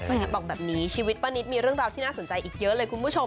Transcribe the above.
นิดบอกแบบนี้ชีวิตป้านิตมีเรื่องราวที่น่าสนใจอีกเยอะเลยคุณผู้ชม